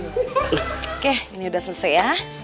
oke ini sudah selesai ya